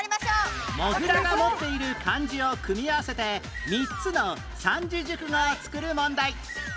モグラが持っている漢字を組み合わせて３つの三字熟語を作る問題